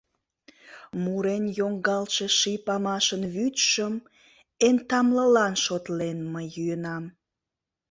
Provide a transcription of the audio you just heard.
Мурен йогалше ший памашын вӱдшым, Эн тамлылан шотлен, мый йӱынам.